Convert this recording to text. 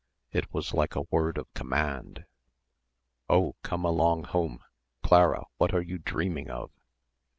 It was like a word of command. "Oh, come along home; Clara, what are you dreaming of?"